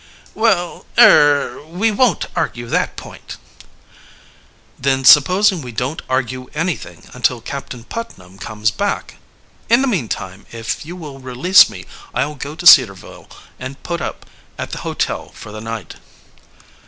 "Well er we won't argue that point." "Then supposing we don't argue anything until Captain Putnam comes back? In the meantime if you will release me I'll go to Cedarville and put up at the hotel for the night."